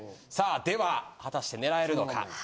さあでは果たして狙えるのか。